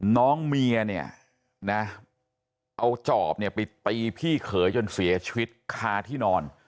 น้องเมียเนี่ยนะเอาจอบเนี่ยไปตีพี่เขยจนเสียชีวิตคาที่นอน